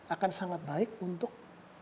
akan sangat baik untuk